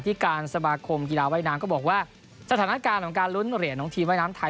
ที่การสมาคมกีฬาว่ายน้ำก็บอกว่าสถานการณ์ของการลุ้นเหรียญของทีมว่ายน้ำไทย